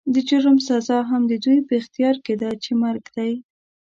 د جرم سزا هم د دوی په اختيار کې ده چې مرګ دی.